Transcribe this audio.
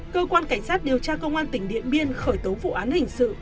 cơ quan cảnh sát điều tra công an tỉnh điện biên khởi tố vụ án hình sự